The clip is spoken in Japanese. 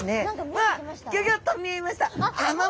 あっギョギョッと見えました！